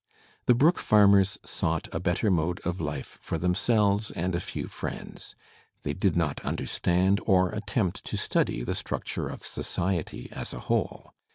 The Brook Parmers sought a better mode of life for themselves and a few friends. They did not understand or attempt to study the structure of society as a whole.